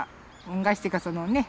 恩返しっていうかそのね